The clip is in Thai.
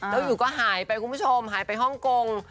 แล้วอยู่ก็หายไปคุณผู้ชมหายไปฮ่องกง